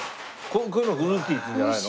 こういうのフルーティーっていうんじゃないの？